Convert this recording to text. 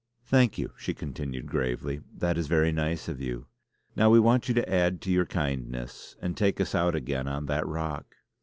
"Thank you," she continued gravely, "that is very nice of you. Now we want you to add to your kindness and take us out again on that rock.